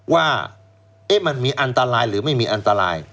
ว่ามันมีอันตรายหรือไม่มีอันตราย